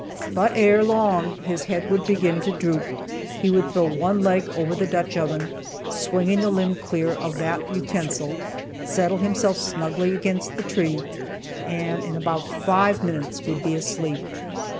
But ere long his head would begin to droop, he would throw one leg over the Dutch oven, swinging the limb clear of that utensil, settle himself snugly against the tree, and in about five minutes would be asleep.